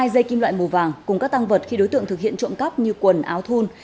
hai dây kim loại màu vàng cùng các tăng vật khi đối tượng thực hiện trộm cắp như quần áo thun